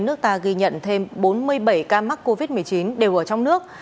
nước ta ghi nhận thêm bốn mươi bảy ca mắc covid một mươi chín đều ở trong nước